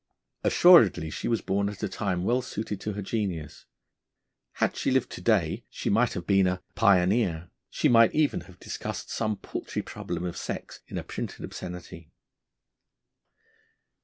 Assuredly she was born at a time well suited to her genius. Had she lived to day, she might have been a 'Pioneer'; she might even have discussed some paltry problem of sex in a printed obscenity.